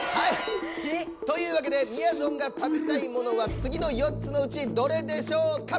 というわけでみやぞんが食べたいものはつぎの４つのうちどれでしょうか？